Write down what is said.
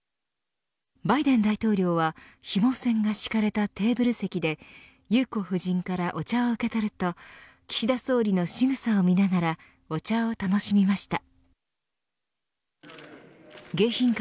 バイデン大統領はテーブル席でユウコ夫人からお茶を受け取ると岸田総理のしぐさを見ながらお茶を楽しみました。